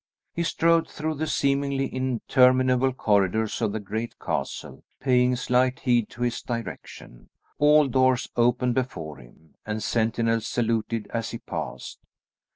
He strode through the seemingly interminable corridors of the great castle, paying slight heed to his direction. All doors opened before him, and sentinels saluted as he passed.